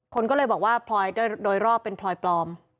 คนก็เลยบอกว่าพลอยโดยรอบเป็นพลอยปลอม